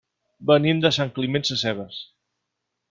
Venim de Sant Climent Sescebes.